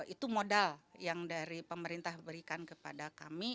itu modal yang dari pemerintah berikan kepada kami